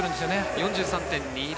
４３．２０。